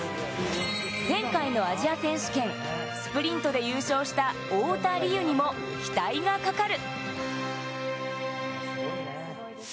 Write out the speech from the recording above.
前回のアジア選手権、スプリントで優勝した太田りゆにも期待がかかる。